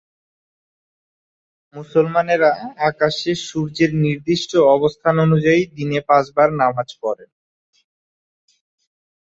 মুসলমানেরা আকাশে সূর্যের নির্দিষ্ট অবস্থান অনুযায়ী দিনে পাঁচ বার নামাজ পড়েন।